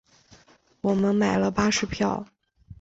我们买了巴士票